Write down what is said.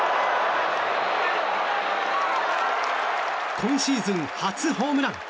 今シーズン初ホームラン！